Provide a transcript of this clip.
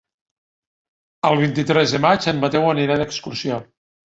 El vint-i-tres de maig en Mateu anirà d'excursió.